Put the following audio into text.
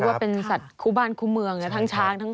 เรียกว่าเป็นสัตว์ครูบ้านครูเมืองนะครับ